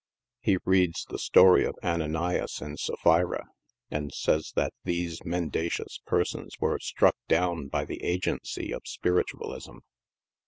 He reads the story of Ananias and Sapphira, and says that these mendacious persons were struck down by the agency of Spiritualism.